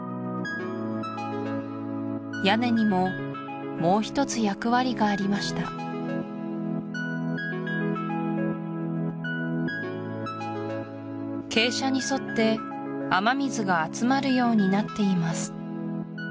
屋根にももう一つ役割がありました傾斜に沿って雨水が集まるようになっています